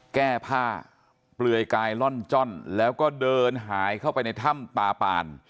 แก้ผ้าเปลือยกายล่อนจ้อนแล้วก็เดินหายเข้าไปในถ้ำตาปาน